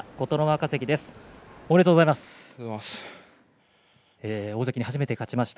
ありがとうございます。